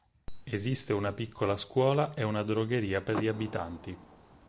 Esiste una piccola scuola e una drogheria per gli abitanti.